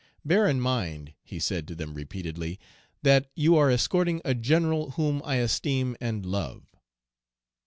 'Bear in mind,' he said to them repeatedly, 'that you are escorting a general whom I esteem and love.'